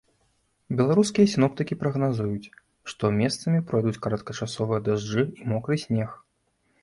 Беларускія сіноптыкі прагназуюць, што месцамі пройдуць кароткачасовыя дажджы і мокры снег.